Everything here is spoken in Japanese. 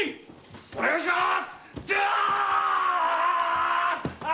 お願いします！